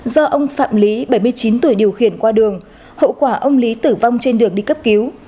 do ông phạm lý bảy mươi chín tuổi điều khiển qua đường hậu quả ông lý tử vong trên đường đi cấp cứu